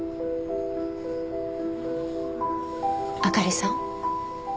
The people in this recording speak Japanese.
あかりさん。